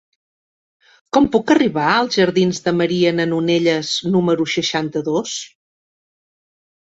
Com puc arribar als jardins de Maria Manonelles número seixanta-dos?